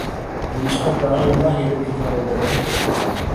نېمىشقا دائىملا ھېرىپ كېتىدىغاندىمەن؟